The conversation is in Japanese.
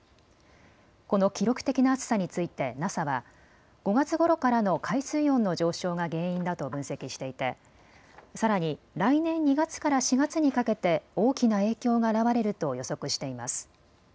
この記録的な暑さについてＮＡＳＡは５月ごろからの海水温の上昇が原因だと分析していてさらに来年２月から４月にかけて大きな影響が現れると予測しています。